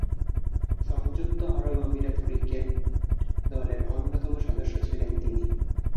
সংযুক্ত আরব আমিরাত ক্রিকেট দলের অন্যতম সদস্য ছিলেন তিনি।